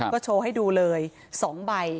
ก็โชว์ให้ดูเลย๒ใบ